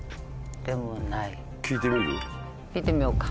聞いてみようか。